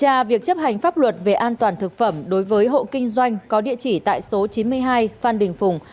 hành pháp luật về an toàn thực phẩm đối với hộ kinh doanh có địa chỉ tại số chín mươi hai phan đình phùng